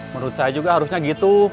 menurut saya juga harusnya gitu